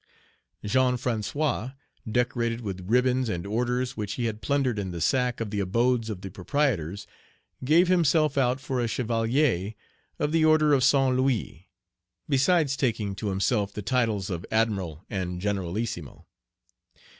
Jean François, decorated with ribbons and orders which he had plundered in the sack of the abodes of the proprietors, gave himself out for a chevalier of the Order of Saint Louis, besides taking to himself the titles of admiral and generalissimo.